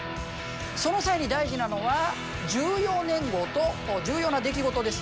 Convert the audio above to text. その際に大事なのは重要年号と重要な出来事です。